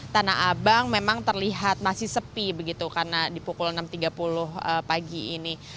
tanah abang memang terlihat masih sepi begitu karena di pukul enam tiga puluh pagi ini